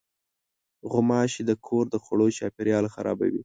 غوماشې د کور د خوړو چاپېریال خرابوي.